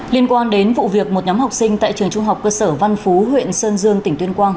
liên quan đến vụ việc một nhóm học sinh tại trường trung học cơ sở văn phú huyện sơn dương tỉnh tuyên quang